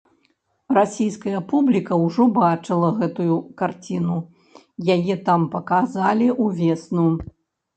Расійская публіка ўжо бачыла гэтую карціну, яе там паказалі ўвесну.